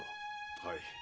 はい。